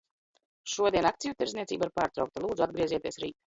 Šodien akciju tirdzniecība ir pārtraukta. Lūdzu, atgriezieties rīt.